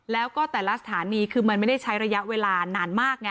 แล้วก็แต่ละสถานีคือมันไม่ได้ใช้ระยะเวลานานมากไง